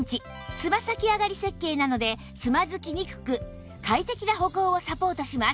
つま先あがり設計なのでつまずきにくく快適な歩行をサポートします